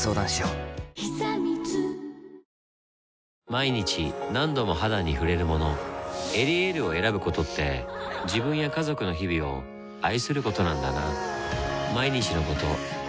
毎日何度も肌に触れるもの「エリエール」を選ぶことって自分や家族の日々を愛することなんだなぁ